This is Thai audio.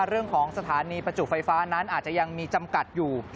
เรื่องของสถานีประจุไฟฟ้านั้นอาจจะยังมีจำกัดอยู่